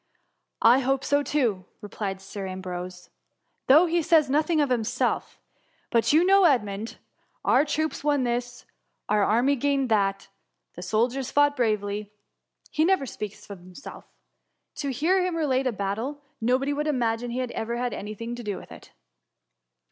^*' I hope so too,'' replied Sir Ambrose; though he says nothing of himself : but you know Edmund :* Our troops won this,' * our army gained that !^^ the soldiers fought bravely V he never speaks of himself. To 46 THS MUMUr. hear him relate a battle, nobody would imagine he had ever had any thing to do with it.'